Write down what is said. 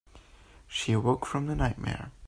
She awoke from the nightmare.